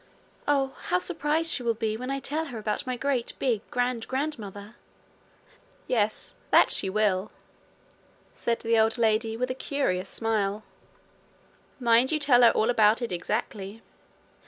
'Oh, how surprised she will be when I tell her about my great big grand grand mother!' 'Yes, that she will!' said the old lady with a curious smile. 'Mind you tell her all about it exactly.'